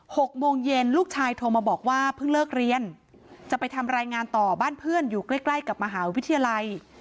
หกโมงเย็นลูกชายโทรมาบอกว่าเพิ่งเลิกเรียนจะไปทำรายงานต่อบ้านเพื่อนอยู่ใกล้ใกล้กับมหาวิทยาลัย